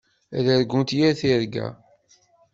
Ad argunt yir tirga.